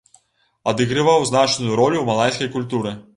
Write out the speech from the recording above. Адыгрываў значную ролю ў малайскай культуры.